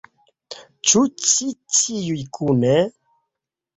Ĉu ĉi ĉiuj kune?